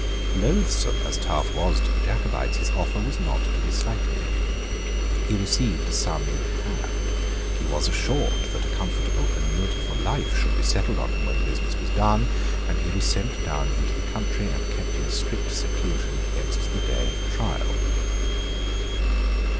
Loathsome as Taaffe was to the Jacobites, his offer was not to be slighted. He received a sum in hand; he was assured that a comfortable annuity for life should be settled on him when the business was done; and he was sent down into the country, and kept in strict seclusion against the day of trial.